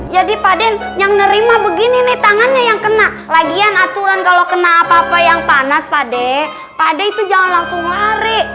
jadi pak d yang nerima begini nih tangannya yang kena lagian aturan kalo kena apa apa yang panas pak d pak d itu jangan langsung lari